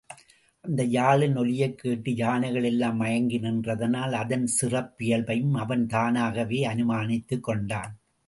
அந்த யாழின் ஒலியைக் கேட்டு யானைகள் எல்லாம் மயங்கி நின்றதனால், அதன் சிறப்பியல்பையும் அவன் தானாகவே அனுமானித்துக் கொண்டான்.